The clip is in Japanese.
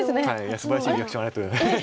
すばらしいリアクションありがとうございます。